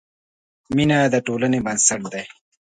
مینه د ټولنې بنسټ دی.